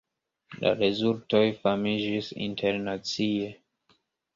La rezultoj famiĝis internacie.